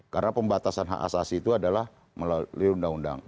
karena pembatasan hak asasi itu adalah melalui undang undang